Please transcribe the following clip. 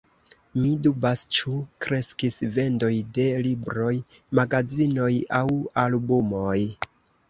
Mi dubas, ĉu kreskis vendoj de libroj, magazinoj aŭ albumoj.